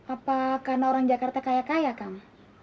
apakah orang jakarta kaya kaya kang